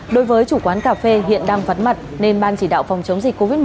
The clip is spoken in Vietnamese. đối với chủ quán cà phê hiện đang vắn mặt nên ban chỉ đạo phòng chống dịch covid một mươi chín